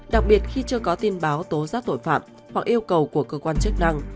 đặc biệt khi chưa có tin báo tố giác tội phạm hoặc yêu cầu của cơ quan chức năng